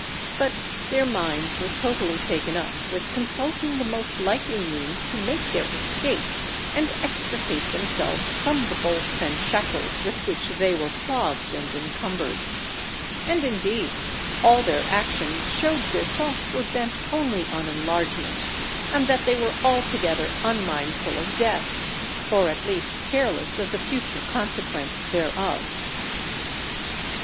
But their minds were totally taken up with consulting the most likely means to make their escape and extricate themselves from the bolts and shackles with which they were clogged and encumbered; and indeed all their actions showed their thoughts were bent only on enlargement, and that they were altogether unmindful of death, or at least careless of the future consequence thereof.